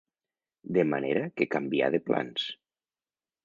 De manera que canvià de plans.